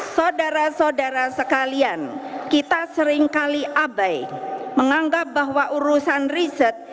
saudara saudara sekalian kita seringkali abai menganggap bahwa urusan riset